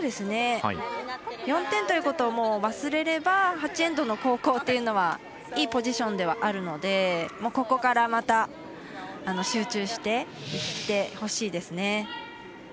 ４点ということを忘れれば８エンドの後攻というのはいいポジションではあるのでここから、また集中していってほしいですね。